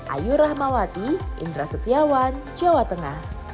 ayu rahmawati indra setiawan jawa tengah